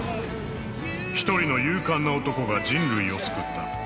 ［１人の勇敢な男が人類を救った］